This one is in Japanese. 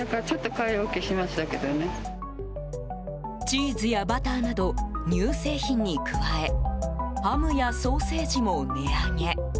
チーズやバターなど乳製品に加えハムやソーセージも値上げ。